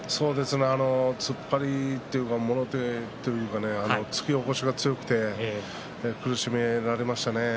突っ張りというかもろ手というか突き起こしが強くて苦しめられましたね。